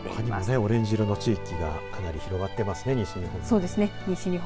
オレンジ色の地域がかなり広がっていますね西日本。